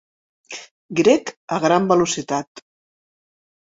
Grec a gran velocitat.